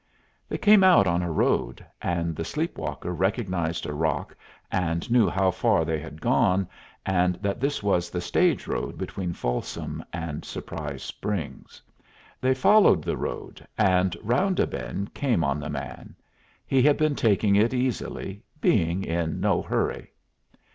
They came out on a road, and the sleep walker recognized a rock and knew how far they had gone, and that this was the stage road between Folsom and Surprise Springs. They followed the road, and round a bend came on the man. He had been taking it easily, being in no hurry.